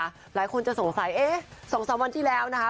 หลายคนจะสงสัยเอ๊ะ๒๓วันที่แล้วนะคะ